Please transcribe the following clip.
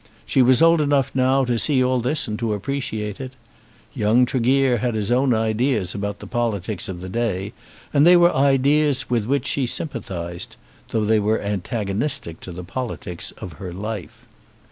She was old enough now to see all this and to appreciate it. Young Tregear had his own ideas about the politics of the day, and they were ideas with which she sympathised, though they were antagonistic to the politics of her life.